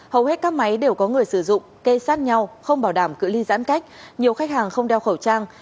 hầu hết các máy đều có người sử dụng kê sát nhau không bảo đảm cự ly giãn cách nhiều khách hàng không đeo khẩu trang